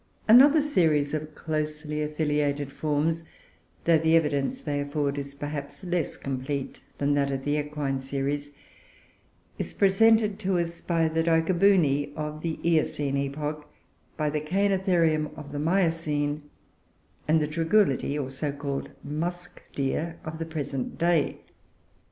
Another series of closely affiliated forms, though the evidence they afford is perhaps less complete than that of the Equine series, is presented to us by the Dichobune of the Eocene epoch, the Cainotherium of the Miocene, and the Tragulidoe, or so called "Musk deer," of the present day.